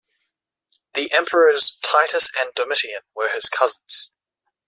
The emperors Titus and Domitian were his cousins.